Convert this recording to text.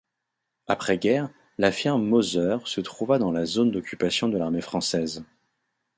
Après guerre, la firme Mauser se trouva dans la zone d'occupation de l'armée française.